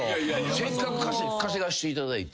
せっかく稼がせていただいて。